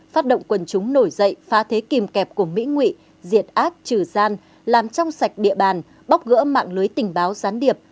phát động quần chúng nổi dậy phá thế kìm kẹp của mỹ nguy diệt ác trừ gian làm trong sạch địa bàn bóc gỡ mạng lưới tình báo gián điệp